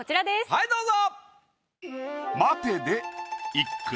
はいどうぞ！